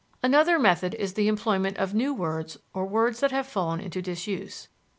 Another method is the employment of new words or words that have fallen into disuse.